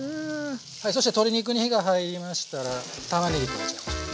そして鶏肉に火が入りましたらたまねぎ加えちゃいましょう。